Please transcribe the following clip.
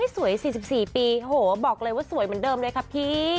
สวย๔๔ปีโหบอกเลยว่าสวยเหมือนเดิมเลยค่ะพี่